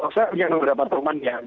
saya punya beberapa teman yang